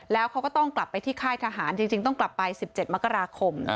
แล้วเขาก็ต้องกลับไปที่ค่ายทหารจริงต้องกลับไป๑๗มกราคม